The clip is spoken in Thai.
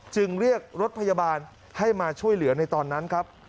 จึงเรียกรถพยาบาลให้มาช่วยเหลือในตอนนั้นครับ